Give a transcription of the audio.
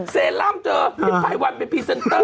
เซรั่มเจอพี่ไพรวันเป็นพรีเซนเตอร์